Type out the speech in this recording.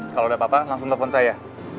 kalau udah apa apa langsung telepon saya